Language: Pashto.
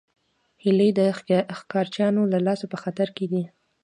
هیلۍ د ښکارچیانو له لاسه په خطر کې ده